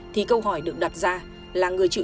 thì câu hỏi được đặt ra là